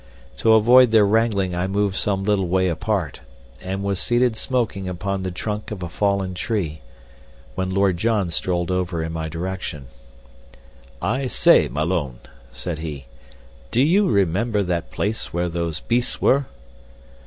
To avoid their wrangling I moved some little way apart, and was seated smoking upon the trunk of a fallen tree, when Lord John strolled over in my direction. "I say, Malone," said he, "do you remember that place where those beasts were?"